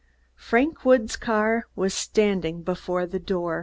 Frank Woods' car was standing before the door.